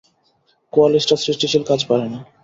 কোয়ালিস্টরা সৃষ্টিশীল কাজ পারে না।